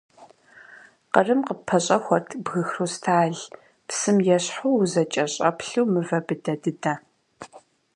Къырым къыппэщӏэхуэрт бгы хрусталь – псым ещхьу узэкӏэщӏэплъу мывэ быдэ дыдэ.